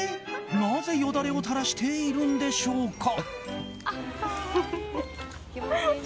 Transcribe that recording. なぜ、よだれを垂らしているのでしょうか。